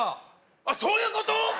あっそういうこと！